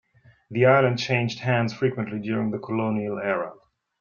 The island changed hands frequently during the colonial era.